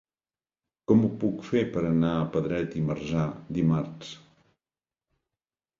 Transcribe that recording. Com ho puc fer per anar a Pedret i Marzà dimarts?